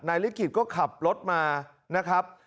ลิขิตก็ขับรถมานะครับ